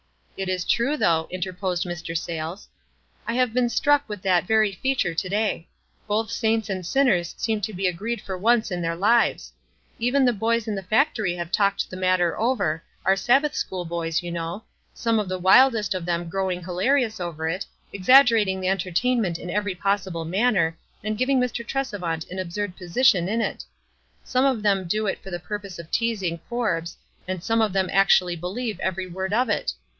"It is true, though," interposed Mr. Sayles. "I have been struck with that veiy feature to day ; both saints and sinners seem to be agreed for once in their lives. Even the boys in the factory have talked the matter over — our Sab bath school boys, you know, — some of the wild est of the* ! growing hilarious over it, exaggera WISE AND OTHERWISE. 265 ting the entertainment in every possible manner, and giving Mr. Tresevant an absurd position in it ; some of them do it for the purpose of teasing Forbes, and some of them actually believe every word of it.